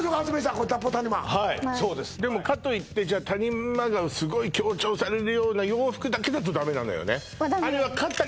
これ脱法谷間はいそうですでもかといってじゃあ谷間がすごい強調されるような洋服だけだとダメなのよねはダメなんです